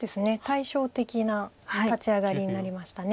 対照的な立ち上がりになりました。